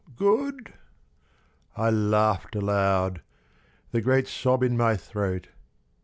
Good?" I laughed aloud, the great sob in my throat.